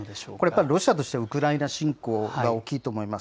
やっぱりロシアとしてはウクライナ侵攻が大きいと思います。